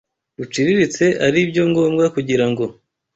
ruciriritse ari byo ngombwa kugira ngo